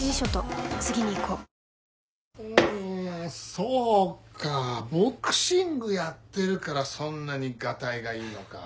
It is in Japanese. そうかボクシングやってるからそんなにガタイがいいのか。